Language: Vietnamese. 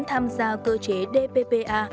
tham gia cơ chế dppa